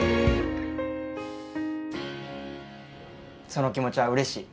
その気持ちはうれしい。